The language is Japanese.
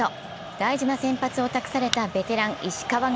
大事な先発を託されたベテラン・石川が